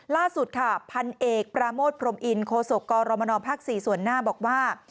ล่าสุดค่ะพันเอกปราโมทพรมอินโคศกกรมนภ๔ส่วนหน้าบอกว่า